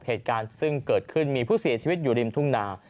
เหตุการณ์ซึ่งเกิดขึ้นมีผู้เสียชีวิตอยู่ริมทุ่งนา